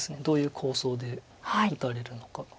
どういう構想で打たれるのか。